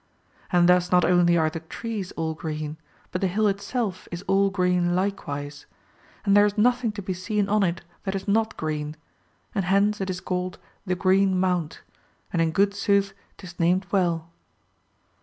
And thus not only are the trees all green, but the hill itself is all green likewise ; and there is nothing to be seen on it that is not green ; and hence it is called the Green Mount ; and in good sooth 'tis named well.